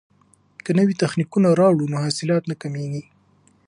که نوي تخنیکونه راوړو نو حاصلات نه کمیږي.